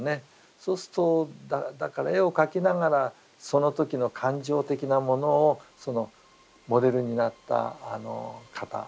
そうするとだから絵を描きながらその時の感情的なものをモデルになった方